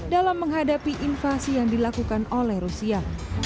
dalam menghadapi invasi yang dilakukan oleh rusia